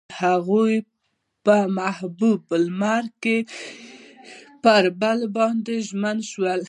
هغوی په محبوب لمر کې پر بل باندې ژمن شول.